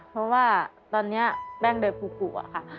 เพราะว่าตอนนี้แป้งโดยภูกุอะค่ะ